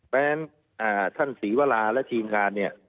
แปลงท่านศรีวราและทีมงานเนี่ย